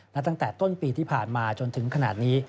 และตั้งแต่ต้นปีที่ผ่านมาจนถึงขนาดนี้